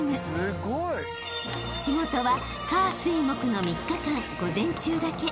［仕事は火水木の３日間午前中だけ］